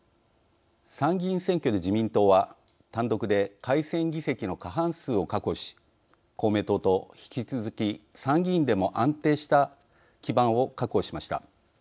参議院選挙で自民党は単独で改選議席の過半数を確保し公明党と引き続き参議院でも安定した基盤を確保しました。